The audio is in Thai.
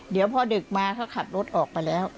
เดี๋ยวพอดึกมาเขาขับรถออกไปแล้ว